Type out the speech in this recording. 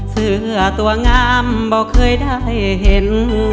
เสื้อตัวงามบอกเคยได้เห็น